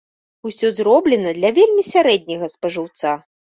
Усё зроблена для вельмі сярэдняга спажыўца.